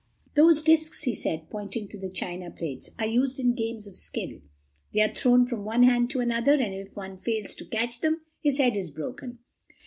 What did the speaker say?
"Those discs," he said, pointing to the china plates, "are used in games of skill. They are thrown from one hand to another, and if one fails to catch them his head is broken."